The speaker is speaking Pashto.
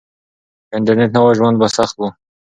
که انټرنيټ نه وای ژوند به سخت و.